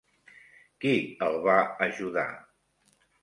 Qui el va ajudar?